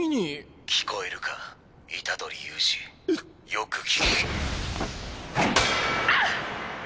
よく聞け。